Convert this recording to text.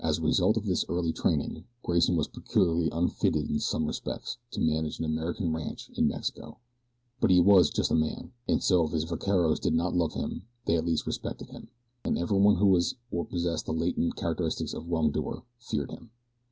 As a result of this early training Grayson was peculiarly unfitted in some respects to manage an American ranch in Mexico; but he was a just man, and so if his vaqueros did not love him, they at least respected him, and everyone who was or possessed the latent characteristics of a wrongdoer feared him.